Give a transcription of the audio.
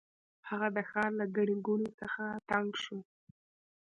هغه د ښار له ګڼې ګوڼې څخه تنګ شو.